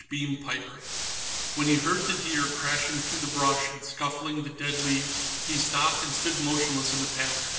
BEAM PIPER When he heard the deer crashing through brush and scuffling the dead leaves, he stopped and stood motionless in the path.